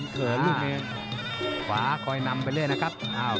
จากว่าคอยนำไปเรื่อยนะครับ